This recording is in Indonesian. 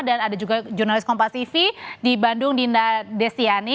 dan ada juga jurnalis kompas tv di bandung dinda desiani